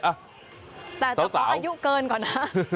แต่จะขออายุเกินก่อนนะ